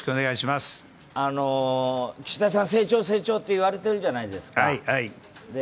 岸田さん、成長、成長と言われてるじゃないですか。